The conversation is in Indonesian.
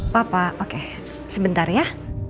papa oke sebentar ya